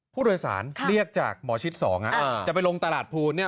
ผู้โดยสารเรียกจากหมอชิด๒จะไปลงตลาดภูนเนี่ย